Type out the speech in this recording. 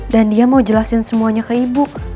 dan dia mau jelasin semuanya ke ibu